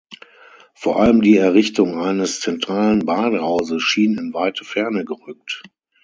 Vor allem die Errichtung eines zentralen Badehauses schien in weite Ferne gerückt.